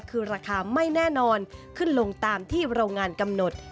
คือราคาไม่แน่นอนขึ้นลงตามที่โรงงานกำหนด